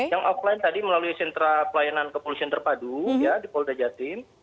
yang offline tadi melalui sentra pelayanan kepolisian terpadu ya di polda jatim